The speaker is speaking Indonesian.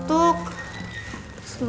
itu mobil lama